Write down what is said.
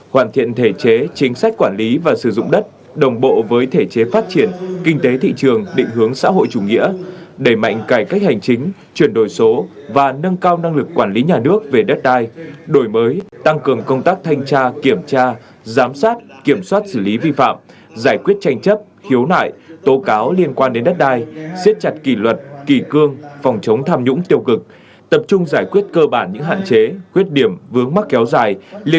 hoàn thiện thể chế chính sách quản lý và sử dụng đất đồng bộ với thể chế phát triển kinh tế thị trường định hướng xã hội chủ nghĩa đẩy mạnh cải cách hành chính chuyển đổi số và nâng cao năng lực quản lý nhà nước về đất đai đổi mới tăng cường công tác thanh tra kiểm tra giám sát kiểm soát xử lý vi phạm giải quyết tranh chấp hiếu nại tố cáo liên quan đến đất đai siết chặt kỳ luật kỳ cương phòng chống tham nhũng tiêu cực tập trung giải quyết cơ bản những hành vi